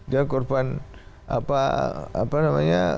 dia korban apa namanya